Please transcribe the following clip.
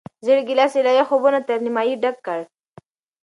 زېړ ګیلاس یې له یخو اوبو نه تر نیمايي ډک کړ.